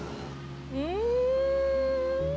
mau kemana pun aku temenin